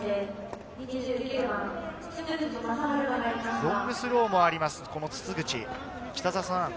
ロングスローもあります、筒口。